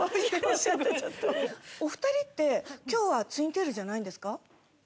お二人って今日はツインテールじゃないんですか？